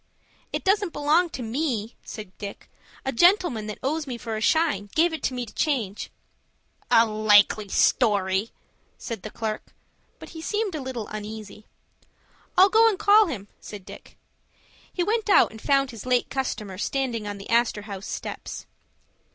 "It doesn't belong to me," said Dick. "A gentleman that owes me for a shine gave it to me to change." "A likely story," said the clerk; but he seemed a little uneasy. "I'll go and call him," said Dick. He went out, and found his late customer standing on the Astor House steps.